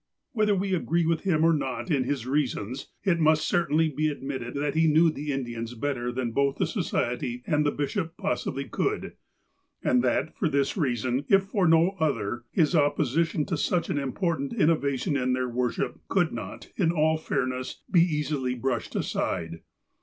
Whether we agree with him or not in his reasons, it must certainly be admitted that he knew the Indians bet ter than both Society and bishop possibly could, and that, for this reason, if for no other, his opposition to such an important innovation in their worship could not, in all fairness, be easily brushed aside.